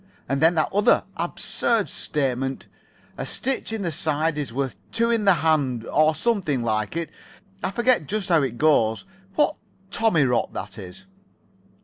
And then that other absurd statement, 'A stitch in the side is worth two in the hand' or something like it I forget just how it goes what Tommy rot that is."